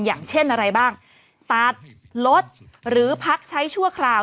อย่างเช่นอะไรบ้างตัดลดหรือพักใช้ชั่วคราว